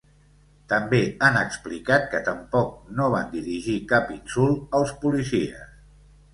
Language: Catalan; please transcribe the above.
També han explicat que tampoc no van dirigir cap insult als policies.